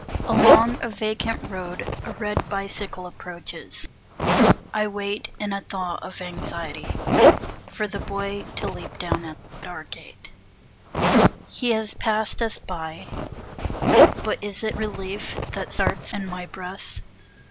Along the vacant road, a red Bicycle approaches; I wait In a thaw of anxiety, for the boy To leap down at our gate. He has passed us by; but is it Relief that starts in my breast?